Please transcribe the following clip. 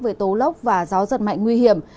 với tố lốc và gió giật mạnh nguy hiểm